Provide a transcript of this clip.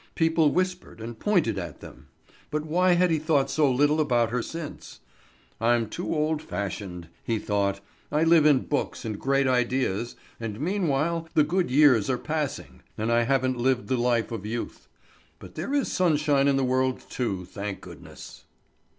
People whispered and pointed at them. But why had he thought so little about her since? "I'm too old fashioned," he thought; "I live in books and great ideas, and meanwhile the good years are passing, and I haven't lived the life of youth. But there is sunshine in the world, too, thank goodness."